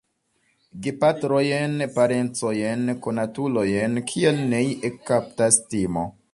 Gepatrojn, parencojn, konatulojn, kial nei ekkaptas timo.